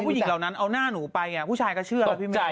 พอผู้หญิงเหล่านั้นเอาหน้าหนูไปผู้ชายก็เชื่อแล้วพี่แม่